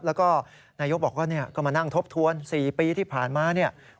แล้วก็นายกบอกว่าก็มานั่งทบทวน๔ปีที่ผ่านมาเนี่ย